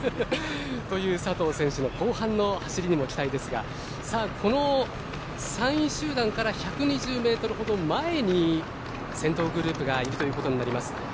という佐藤選手の後半の走りにも期待ですがこの３位集団から１２０ｍほど前に先頭グループがいるということになります。